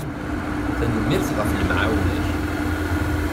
Tanemmirt ɣef lemɛawna-k.